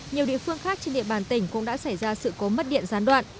nhiều địa phương khác trên địa bàn tỉnh cũng đã xảy ra sự cố mất điện gián đoạn